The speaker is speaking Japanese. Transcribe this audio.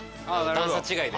段差違いで。